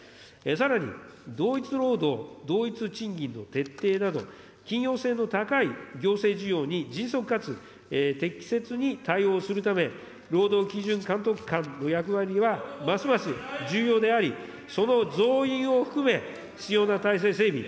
さらに、同一労働同一賃金の徹底など、の高い行政需要に迅速かつ、適切に対応するため、労働基準監督官の役割はますます重要であり、その増員を含め、必要な体制整備、